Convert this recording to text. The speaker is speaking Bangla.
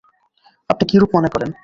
আপনি কিরূপ মনে করেন?